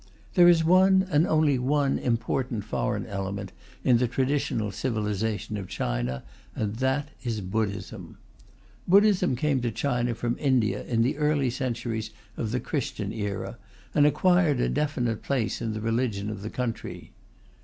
There is one, and only one, important foreign element in the traditional civilization of China, and that is Buddhism. Buddhism came to China from India in the early centuries of the Christian era, and acquired a definite place in the religion of the country.